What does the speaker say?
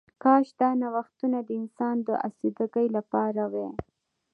کاش دا نوښتونه د انسان د آسوده ګۍ لپاره وای